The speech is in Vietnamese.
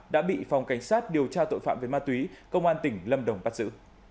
đã bị phòng cảnh sát điều tra tội phạm về ma túy công an tỉnh lâm đồng bắt giữ